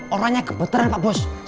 orangnya gempetern pak bos